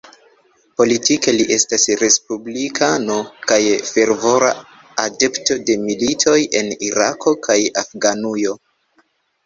Politike li estas respublikano kaj fervora adepto de militoj en Irako kaj Afganujo.